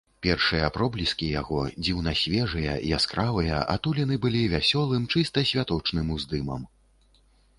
Першыя пробліскі яго, дзіўна свежыя, яскравыя, атулены былі вясёлым, чыста святочным уздымам.